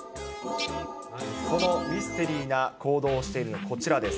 そのミステリーな行動をしているのはこちらです。